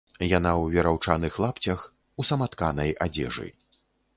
Яна ў вераўчаных лапцях, у саматканай адзежы.